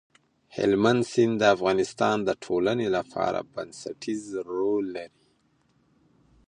هلمند سیند د افغانستان د ټولنې لپاره بنسټيز رول لري.